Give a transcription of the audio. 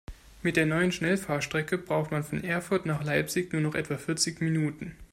Mit der neuen Schnellfahrstrecke braucht man von Erfurt nach Leipzig nur noch etwa vierzig Minuten